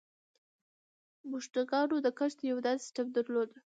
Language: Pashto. بوشنګانو د کښت یو داسې سیستم درلود